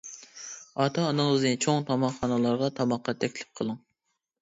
ئاتا-ئانىڭىزنى چوڭ تاماقخانىلارغا تاماققا تەكلىپ قىلىڭ.